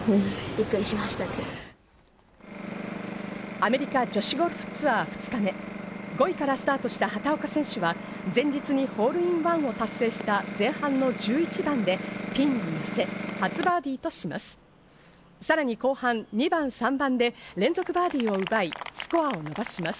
アメリカ女子ゴルフツアー２日目、５位からスタートした畑岡選手は前日にホールインワンを達成した前半の１１番でピンに寄せ、初バーディーとします。